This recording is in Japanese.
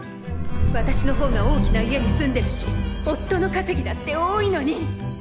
私の方が大きな家に住んでるし夫のかせぎだって多いのに。